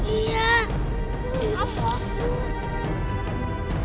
iya aku takut